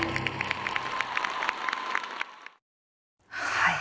はい。